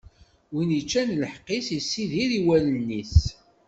Win iččan lḥeqq-is, issidir i wallen-is.